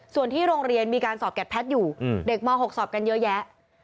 ส่วนที่โรงเรียนมีการสอบแกดแพทย์อยู่เด็กม๖สอบกันเยอะแยะ